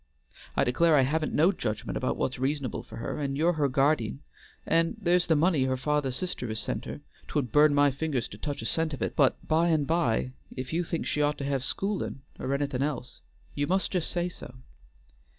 I declare I haven't no judgment about what's reasonable for her, and you're her guardeen, and there's the money her father's sister has sent her; 't would burn my fingers to touch a cent of it, but by and by if you think she ought to have schoolin' or anything else you must just say so."